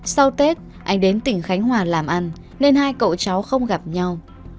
sau tết anh đến tỉnh khánh hòa làm ăn nên hai cậu cháu không gặp nhau